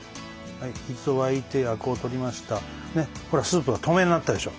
ねっほらスープが透明になったでしょ。